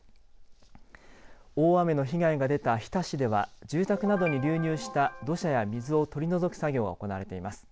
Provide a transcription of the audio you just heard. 大雨の被害が出た日田市では住宅などに流入した土砂や水を取り除く作業が行われています。